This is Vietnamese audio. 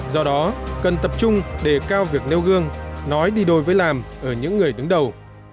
do đó cần tập trung đề cao việc nêu gương nói đi đôi với làm ở những người đứng đầu